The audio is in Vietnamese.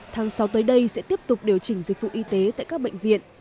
tháng sáu tới đây sẽ tiếp tục điều chỉnh dịch vụ y tế tại các bệnh viện